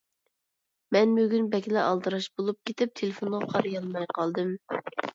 مەن بۈگۈن بەكلا ئالدىراش بولۇپ كېتىپ، تېلېفونغا قارىيالماي قالدىم.